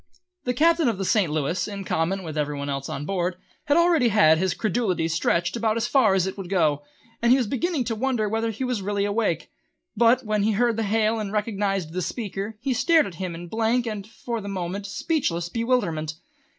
The Captain of the St. Louis, in common with every one else on board, had already had his credulity stretched about as far as it would go, and he was beginning to wonder whether he was really awake; but when he heard the hail and recognised the speaker he stared at him in blank and, for the moment, speechless bewilderment.